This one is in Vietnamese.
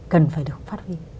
cần phải được phát huy